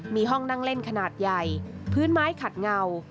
มีห้องนั่งเล่นขนาดใหญ่พื้นไม้ขัดเงา